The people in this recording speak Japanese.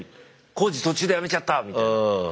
工事途中でやめちゃったみたいな。